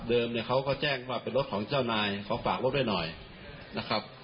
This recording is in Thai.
เนี่ยเขาก็แจ้งว่าเป็นรถของเจ้านายขอฝากรถให้หน่อยนะครับ